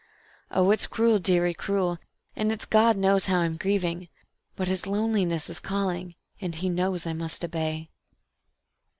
Oh, it's cruel, dearie, cruel, and it's God knows how I'm grieving; But His loneliness is calling, and He knows I must obey.